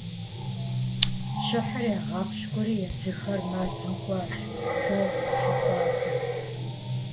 Щыхьыр ягъэпщкӀури, езыхэр мэзым кӀуащ, фо лъыхъуакӀуэ.